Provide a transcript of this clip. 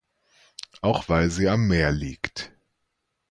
Auch weil sie am Meer liegt.